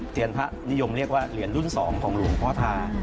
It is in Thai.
พระนิยมเรียกว่าเหรียญรุ่น๒ของหลวงพ่อทา